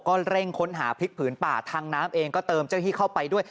ก็เร่งค้นหาพลิกผืนป่าทางน้ำเองก็เติมเจ้าหน้าที่เข้าไปด้วย